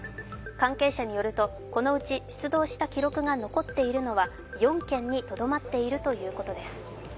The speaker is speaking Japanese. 関係者によると、このうち出動した記録が残っているのは４件にとどまっているということです。